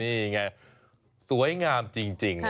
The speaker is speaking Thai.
นี่ไงสวยงามจริง